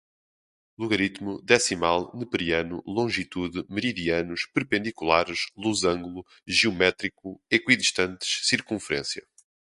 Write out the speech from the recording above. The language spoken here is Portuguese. logaritmo, decimal, neperiano, longitude, meridianos, perpendiculares, losango, geométrico, equidistantes, circunferência